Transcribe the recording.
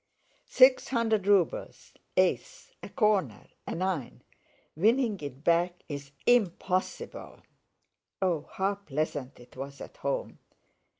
"Six hundred rubles, ace, a corner, a nine... winning it back's impossible... Oh, how pleasant it was at home!...